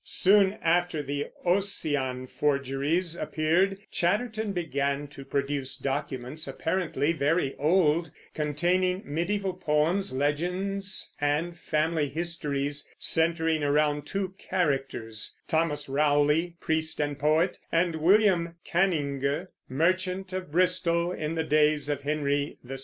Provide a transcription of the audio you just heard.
Soon after the "Ossian" forgeries appeared, Chatterton began to produce documents, apparently very old, containing mediæval poems, legends, and family histories, centering around two characters, Thomas Rowley, priest and poet, and William Canynge, merchant of Bristol in the days of Henry VI.